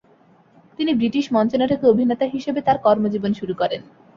তিনি ব্রিটিশ মঞ্চনাটকে অভিনেতা হিসেবে তার কর্মজীবন শুরু করেন।